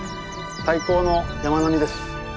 最高の山並みです。